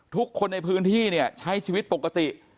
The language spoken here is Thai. ทุกคนในพื้นที่เนี่ยใช้ชีวิตปกติ